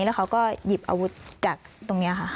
แล้วเขาก็หยิบอาวุธจากตรงนี้ค่ะ